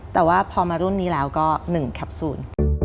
แต่ว่าพอมารุ่นนี้แล้วก็๑แคปซูล